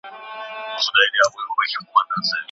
کمپيوټر الرټونه ليږي.